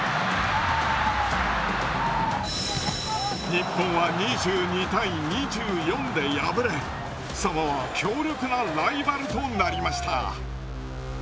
日本は２２対２４で敗れサモアは強力なライバルとなりました。